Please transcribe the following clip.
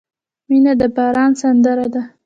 • مینه د باران سندره ده.